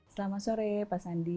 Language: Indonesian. selamat sore pak sandi